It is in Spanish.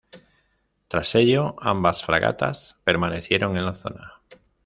Tras ello, ambas fragatas permanecieron en la zona.